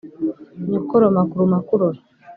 Nyokorome akuruma akurora